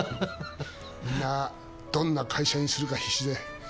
みんなどんな会社にするか必死で。